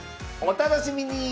お楽しみに！